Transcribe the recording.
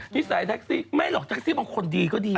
นิสัยแท็กซี่ไม่หรอกแท็กซี่บางคนดีก็ดี